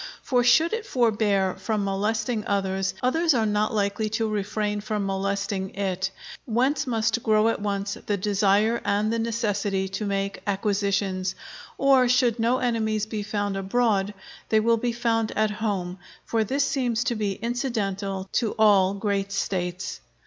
For should it forbear from molesting others, others are not likely to refrain from molesting it; whence must grow at once the desire and the necessity to make acquisitions; or should no enemies be found abroad, they will be found at home, for this seems to be incidental to all great States.